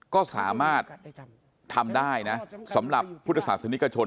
ก็สามารถทำได้นะสำหรับพุทธศาสนิกชน